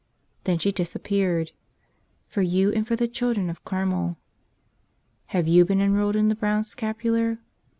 Then she disappeared. "For you and for the children of Carmel." Have you been enrolled in the Brown Scapular?